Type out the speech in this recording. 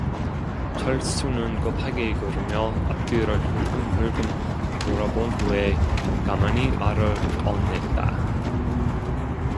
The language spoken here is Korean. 철수는 급하게 걸으며 앞뒤를 흘금흘금 돌아본 후에 가만히 말을 꺼냈다.